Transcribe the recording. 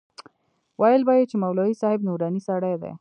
ويل به يې چې مولوي صاحب نوراني سړى دى.